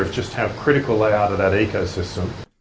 hanya memiliki layar kritis di ekosistem itu